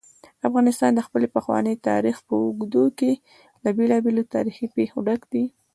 افغانستان د خپل پخواني تاریخ په اوږدو کې له بېلابېلو تاریخي پېښو ډک دی.